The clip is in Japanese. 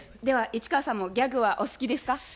では市川さんもギャグはお好きですか？